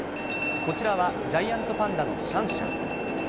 こちらはジャイアントパンダのシャンシャン。